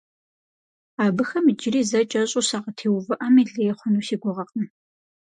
Абыхэм иджыри зэ кӀэщӀу сакъытеувыӀэми лей хъуну си гугъэкъым.